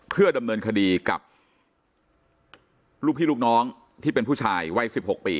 เพื่อดำเนินคดีกับลูกพี่ลูกน้องที่เป็นผู้ชายวัย๑๖ปี